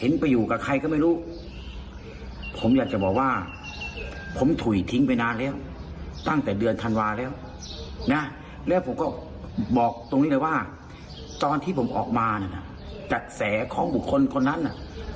ในช่วงที่ผมออกมานะฮะจัดแสของบุคคลคนนั้นนะฮะ